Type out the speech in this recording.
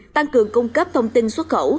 tăng cường cung cấp thông tin xuất khẩu